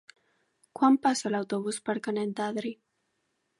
Quan passa l'autobús per Canet d'Adri?